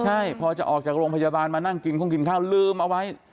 ใช่พอจะออกจากโรงพยาบาลมานั่งกินคงกินข้าวลืมเอาไว้